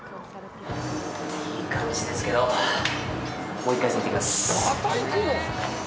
いい感じですけどもう一回戦行ってきます。